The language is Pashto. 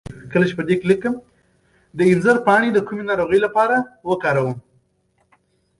د انځر پاڼې د کومې ناروغۍ لپاره وکاروم؟